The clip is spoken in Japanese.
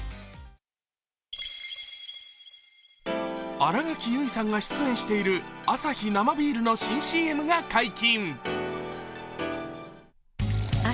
新垣結衣さんが出演しているアサヒ生ビールの新ＣＭが解禁。